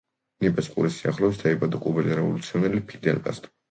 ნიპეს ყურის სიახლოვეს დაიბადა კუბელი რევოლუციონერი ფიდელ კასტრო.